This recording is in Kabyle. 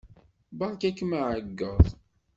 Beṛka-kem aɛeyyeḍ.